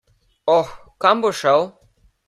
Oh, kam boš šel?